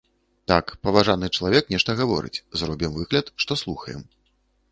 Так, паважаны чалавек, нешта гаворыць, зробім выгляд, што слухаем.